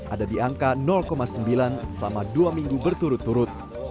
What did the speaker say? ada di angka sembilan selama dua minggu berturut turut